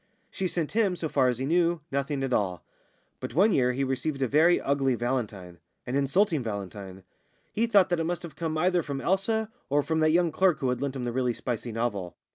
She sent him, so far as he knew, nothing at all; but one year he received a very ugly valentine, an insulting valentine. He thought that it must have come either from Elsa or from that young clerk who had lent him the really spicy novel.